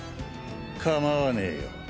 構わねぇよ。